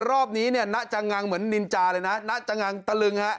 รอบนี้เนี่ยณจังงังเหมือนนินจาเลยนะณจังตะลึงฮะ